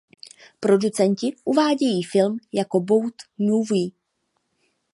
Producenti uvádějí film jako "boat movie".